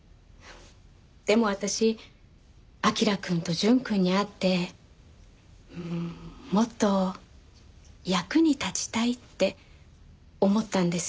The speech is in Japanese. でも私彬くんと淳くんに会ってうーんもっと役に立ちたいって思ったんです。